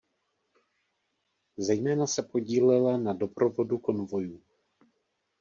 Zejména se podílela na doprovodu konvojů.